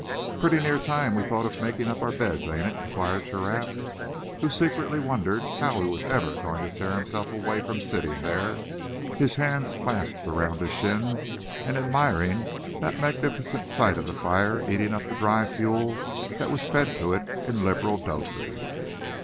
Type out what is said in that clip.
"Pretty near time we thought of making up our beds, ain't it?" inquired Giraffe; who secretly wondered how he was ever going to tear himself away from sitting there, his hands clasped around his shins, and admiring that magnificent sight of the fire eating up the dry fuel that was fed to it in liberal doses.